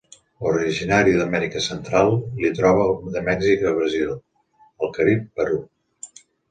Originari d'Amèrica central, l'hi troba de Mèxic a Brasil, el Carib, Perú.